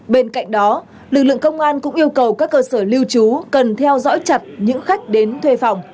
bên cạnh đó lực lượng công an cũng yêu cầu các cơ sở lưu trú cần theo dõi chặt những khách đến thuê phòng